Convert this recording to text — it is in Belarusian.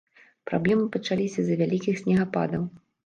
Праблемы пачаліся з-за вялікіх снегападаў.